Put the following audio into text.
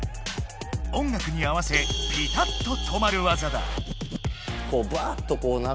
音楽に合わせピタッと止まる技だ。